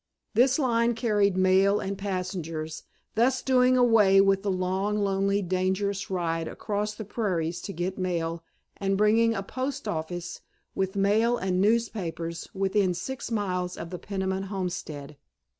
This line carried mail and passengers, thus doing away with the long, lonely, dangerous ride across the prairies to get mail, and bringing a postoffice, with mail and newspapers within about six miles of the Peniman homestead.